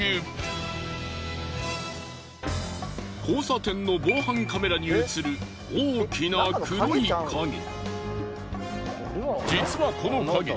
交差点の防犯カメラに映る大きな黒い影。